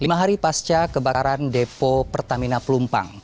lima hari pasca kebakaran depo pertamina pelumpang